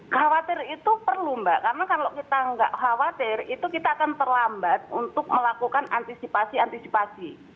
khawatir itu perlu mbak karena kalau kita nggak khawatir itu kita akan terlambat untuk melakukan antisipasi antisipasi